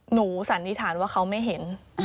สันนิษฐานว่าเขาไม่เห็น